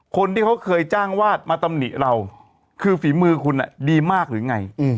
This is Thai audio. คนที่เขาเคยจ้างวาดมาตำหนิเราคือฝีมือคุณดีมากหรือไง